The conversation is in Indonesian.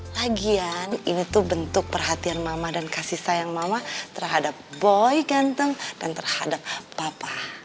lagian ini tuh bentuk perhatian mama dan kasih sayang mama terhadap boy ganteng dan terhadap papa